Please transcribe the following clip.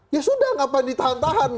ya sudah ngapain ditahan tahan